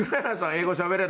英語しゃべれる？